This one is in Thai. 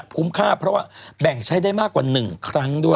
คุ้มค่าเพราะว่าแบ่งใช้ได้มากกว่า๑ครั้งด้วย